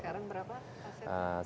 sekarang berapa asetnya